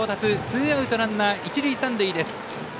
ツーアウト、ランナー、一塁三塁。